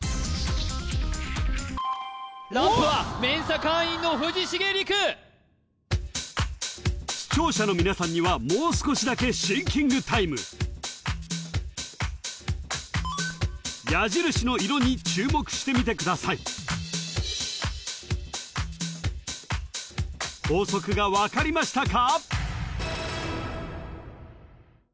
ランプはＭＥＮＳＡ会員の藤重吏玖視聴者の皆さんにはもう少しだけシンキングタイム矢印の色に注目してみてください法則がわかりましたか？